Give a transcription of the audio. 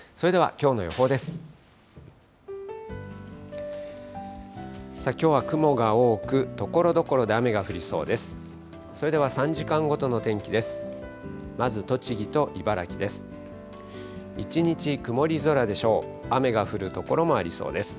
きょうは雲が多く、ところどころで雨が降りそうです。